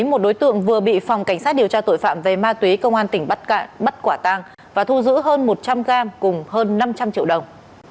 một đối tượng vừa bị phòng cảnh sát điều tra tội phạm về ma túy công an tỉnh bắc cạn bắt quả tang và thu giữ hơn một trăm linh gram cùng hơn năm trăm linh triệu đồng